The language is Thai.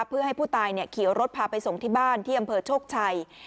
เพื่อให้ผู้ตายขี่รถพาไปส่งที่บ้านที่อำเภอโชคชัย